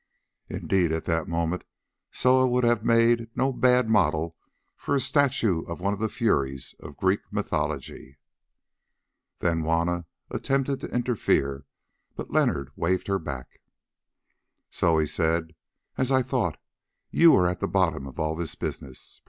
Indeed, at that moment Soa would have made no bad model for a statue of one of the furies of Greek mythology. Then Juanna attempted to interfere, but Leonard waved her back. "So," he said, "as I thought, you are at the bottom of all this business.